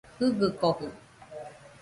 Jɨgɨkojɨ